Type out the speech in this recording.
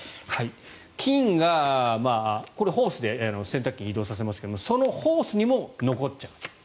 菌が、これホースで洗濯機に移動させますがそのホースにも残っちゃう。